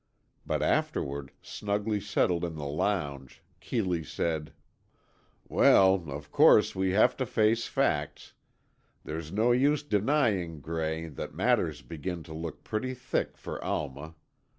But afterward, snugly settled in the lounge, Keeley said: "Well, of course, we have to face facts. There's no use denying, Gray, that matters begin to look pretty thick for Alma.